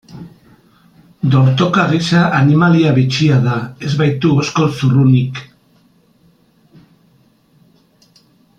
Dortoka gisa animalia bitxia da, ez baitu oskol zurrunik.